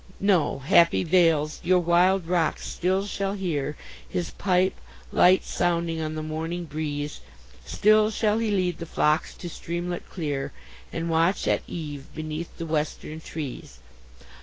No, happy vales! your wild rocks still shall hear His pipe, light sounding on the morning breeze; Still shall he lead the flocks to streamlet clear, And watch at eve beneath the western trees.